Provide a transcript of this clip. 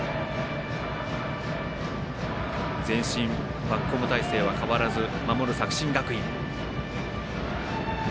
前進バックホーム態勢は変わらず守る作新学院。